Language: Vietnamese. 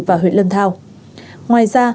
và huyện lâm thao ngoài ra